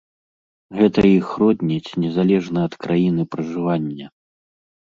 Гэта іх родніць, незалежна ад краіны пражывання!